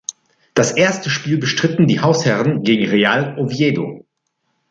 Das erste Spiel bestritten die Hausherren gegen Real Oviedo.